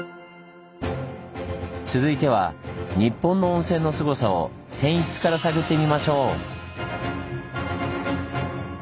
続いては日本の温泉のスゴさを泉質から探ってみましょう！